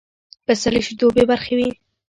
پسه له شیدو بې برخې وي.